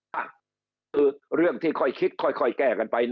อ่ะคือเรื่องที่ค่อยคิดค่อยแก้กันไป